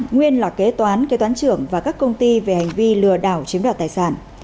nguyên là kế toán kế toán trưởng và các công ty về hành vi lừa đảo chiếm đoạt tài sản